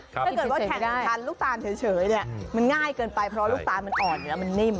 ถ้าเกิดว่าแข่งทานลูกตาลเฉยเนี่ยมันง่ายเกินไปเพราะลูกตาลมันอ่อนเนื้อมันนิ่ม